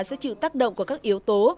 sẽ chịu tác động của các yếu tố